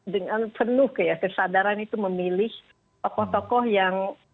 dengan penuh kesadaran itu memilih tokoh tokoh yang